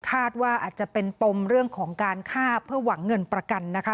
คาดว่าอาจจะเป็นปมเรื่องของการฆ่าเพื่อหวังเงินประกันนะคะ